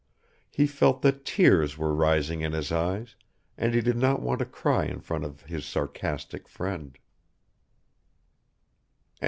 He felt that tears were rising in his eyes and he did not want to cry in front of his sarcastic friend.